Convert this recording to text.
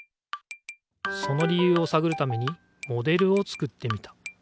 その理ゆうをさぐるためにモデルを作ってみた。